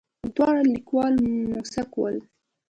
دواړه کليوال موسک ول.